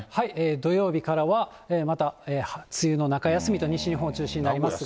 土曜日からは、また梅雨の中休みと、西日本中心になりますが。